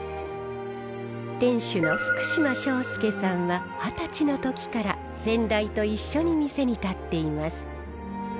店主の福島祥介さんは二十歳の時から先代と一緒に店に立っています。